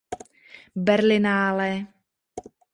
Berlinale.